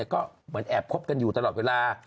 ก็เหมือนแอบคบกันอยู่ตลอดเวลา